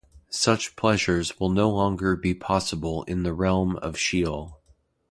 Such pleasures will no longer be possible in the realm of Sheol.